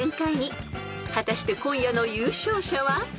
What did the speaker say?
［果たして今夜の優勝者は？］